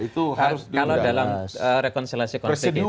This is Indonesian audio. kalau dalam rekonsilasi konsep itu